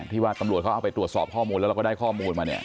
ที่ว่าตำรวจเขาเอาไปตรวจสอบข้อมูลแล้วเราก็ได้ข้อมูลมาเนี่ย